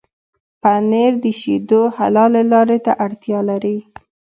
پنېر د شيدو حلالې لارې ته اړتيا لري.